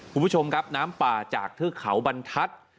คุณผู้ชมครับน้ำป่าจากเทือกเขาบรรทัศน์